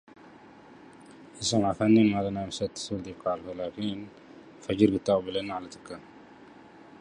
Hiking trails lead through the national park.